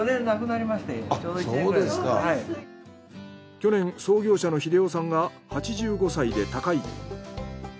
去年創業者の秀男さんが８５歳で他界。